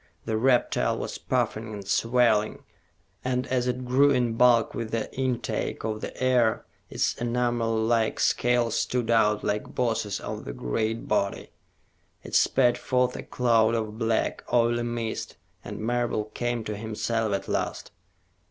The reptile was puffing and swelling, and as it grew in bulk with the intake of the air, its enamel like scales stood out like bosses on the great body. It spat forth a cloud of black, oily mist, and Marable came to himself at last.